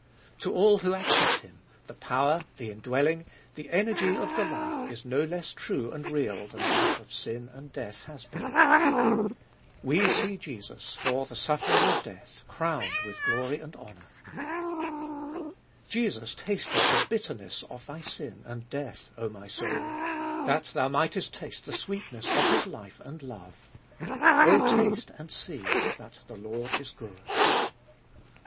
To all who accept Him, the power, the indwelling, the energy of the life is no less true and real than that of sin and death has been. "We see Jesus for the suffering of death crowned with glory and honour." 2. Jesus tasted the bitterness of thy sin and death, 0 my soul ; that thou mightest taste the sweetness of His life and love. 0 taste and see that the Lord is good.